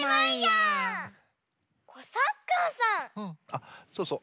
あっそうそう。